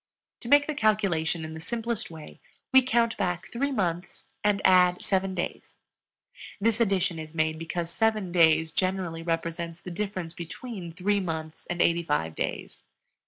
To make the calculation in the simplest way we count back three months and add seven days; this addition is made because seven days generally represents the difference between three months and eighty five days.